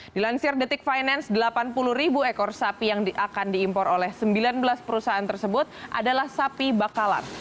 dilansir detik finance delapan puluh ribu ekor sapi yang akan diimpor oleh sembilan belas perusahaan tersebut adalah sapi bakalan